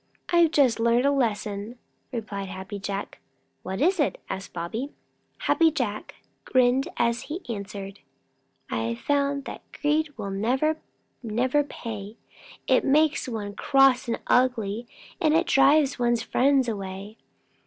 "I've just learned a lesson," replied Happy Jack. "What is it?" asked Bobby. Happy Jack grinned as he answered: "I've found that greed will never, never pay. It makes one cross and ugly, and it drives one's friends away.